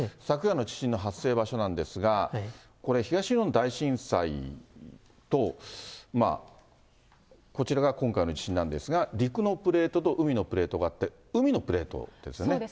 昨夜の地震の発生場所なんですが、これ、東日本大震災とこちらが今回の地震なんですが、陸のプレートと海のプレートがあって、海のプレートですよね。